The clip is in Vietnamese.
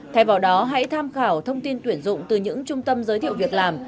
thay vào đó hãy tham khảo thông tin tuyển dụng từ những trung tâm giới thiệu việc làm